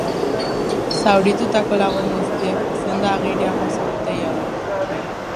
Zauritutako lagun guztiek senda-agiria jaso dute jada.